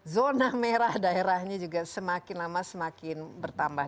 zona merah daerahnya juga semakin lama semakin bertambah